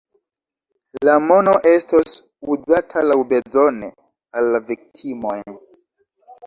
La mono estos uzata laŭbezone al la viktimoj.